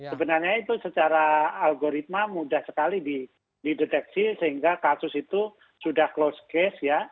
sebenarnya itu secara algoritma mudah sekali dideteksi sehingga kasus itu sudah close case ya